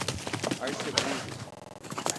Arceburgo